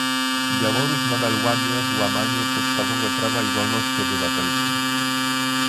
Białoruś nadal łamie łamanie podstawowe prawa i wolności obywatelskie